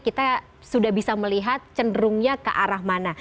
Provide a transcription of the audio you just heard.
kita sudah bisa melihat cenderungnya ke arah mana